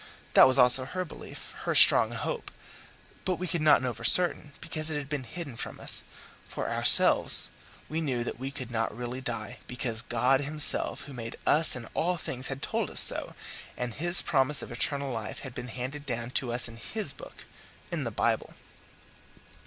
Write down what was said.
That was also her belief her strong hope; but we could not know for certain, because it had been hidden from us. For ourselves, we knew that we could not really die, because God Himself, who made us and all things, had told us so, and His promise of eternal life had been handed down to us in His Book in the Bible.